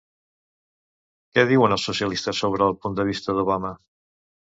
Què diuen els socialistes sobre el punt de vista d'Obama?